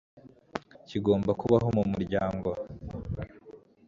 kigomba kubaho mu muryango